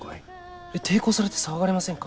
抵抗されて騒がれませんか？